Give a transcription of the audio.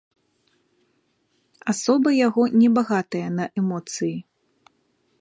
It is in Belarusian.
Асоба яго не багатая на эмоцыі.